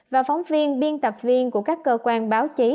và phóng viên biên tập viên của các cơ quan báo chí